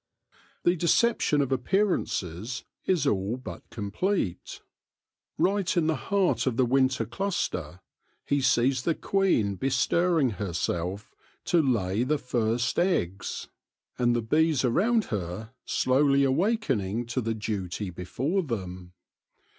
The deception of appear ances is all but complete. Right in the heart of the winter cluster he sees the queen bestirring herself THE GENESIS OF THE QUEEN 67 to lay the first eggs, and the bees around her slowly awakening to the duty before them.